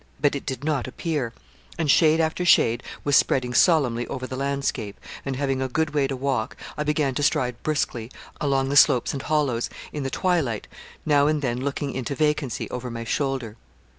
But it did not appear; and shade after shade was spreading solemnly over the landscape, and having a good way to walk, I began to stride briskly along the slopes and hollows, in the twilight, now and then looking into vacancy, over my shoulder.